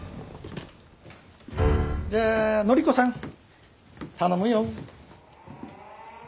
じゃあノリコさん頼むよ。